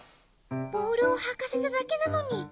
ボールをはかせただけなのに。